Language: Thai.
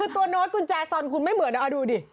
คือตัวโน้ตกุญแจซอนคุณไม่เหมือนเอาดูดิ